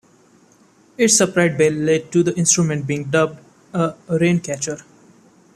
Its upright bell led to the instrument being dubbed a "rain-catcher".